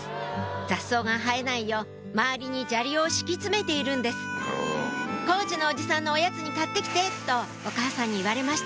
雑草が生えないよう周りに砂利を敷き詰めているんです「工事のおじさんのおやつに買って来て」とお母さんに言われました